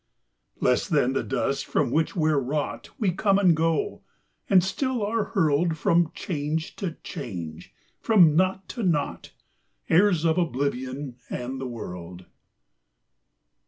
Less than the dust from which we're wrought, We come and go, and still are hurled From change to change, from naught to naught, Heirs of oblivion and the world.